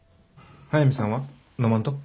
速見さんは飲まんと？